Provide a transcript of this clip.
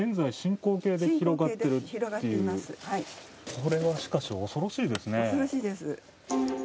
これは、しかし恐ろしいですね。